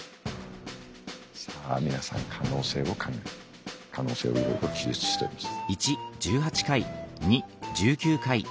さあ皆さん可能性を考えて可能性をいろいろ記述しております。